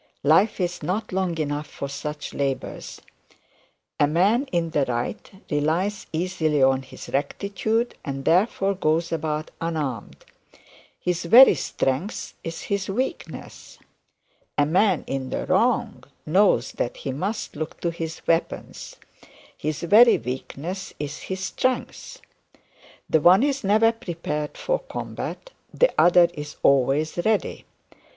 Life is not long enough for such labours. A man in the right relies easily on his rectitude, and therefore goes about unarmed. His very strength is his weakness; his very weakness is his strength. The one is never prepared for combat, the other is always ready.